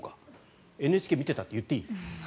ＮＨＫ、見てたって言っていい？